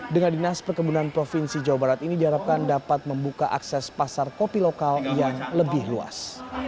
dengan dinas perkebunan provinsi jawa barat ini diharapkan dapat membuka akses pasar kopi lokal yang lebih luas